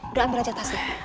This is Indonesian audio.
udah ambil aja tasnya